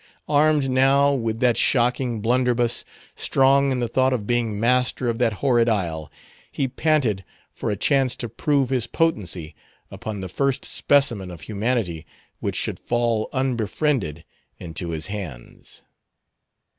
Armed now with that shocking blunderbuss, strong in the thought of being master of that horrid isle, he panted for a chance to prove his potency upon the first specimen of humanity which should fall unbefriended into his hands.